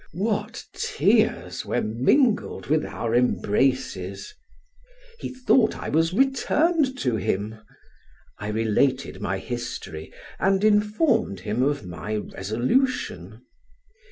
What tears were mingled with our embraces! He thought I was returned to him: I related my history, and informed him of my resolution.